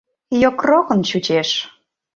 Йокрокын чучеш!